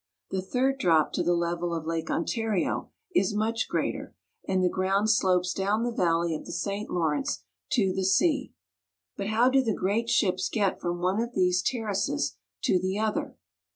The third drop, to the level of Lake Ontario, is much greater, and the ground slopes down the valley of the St. Lawrence to the sea. But how do the great ships get from one of these ter races to the other?